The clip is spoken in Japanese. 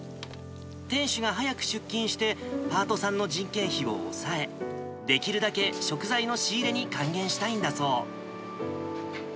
店主が早く出勤して、パートさんの人件費を抑え、できるだけ食材の仕入れに還元したいんだそう。